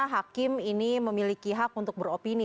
hakim ini memiliki hak untuk beropini